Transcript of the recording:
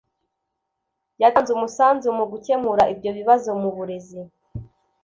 yatanze umusanzu mu gukemura ibyo bibazo mu burezi